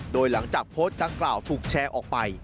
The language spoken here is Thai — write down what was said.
โดยหลังจากโพสต์ดังกล่าวถูกแชร์ออกไป